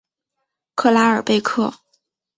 克拉尔贝克。